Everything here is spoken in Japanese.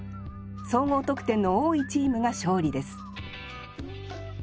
総合得点の多いチームが勝利です